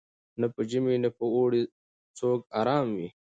نه په ژمي نه په اوړي څوک آرام وو